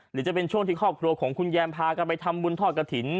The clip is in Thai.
หรือจะเป็นช่วงที่ครอบครัวของคุณแยมพากันไปทำบุญทอดกระถิ่น